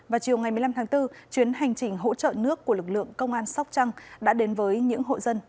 vào chiều ngày một mươi năm tháng bốn chuyến hành trình hỗ trợ nước của lực lượng công an sóc trăng đã đến với những hộ dân